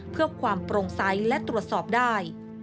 เพื่อความโปร่งใสและตรวจสอบได้